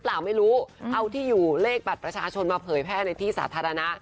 เปล่าไม่รู้เอาที่อยู่เลขบัตรประชาชนมาเผยแพร่ในที่สาธารณะ